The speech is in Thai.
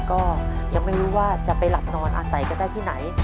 ก็ยังไม่รู้ว่าจะไปหลับนอนอาศัยกันได้ที่ไหน